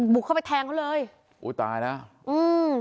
บุกเข้าไปแทงเขาเลยอุ้ยตายแล้วอืม